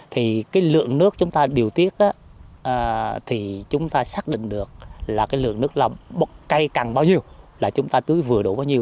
thì lượng nước chúng ta điều tiết thì chúng ta xác định được là lượng nước làm cây cằn bao nhiêu là chúng ta tưới vừa đủ bao nhiêu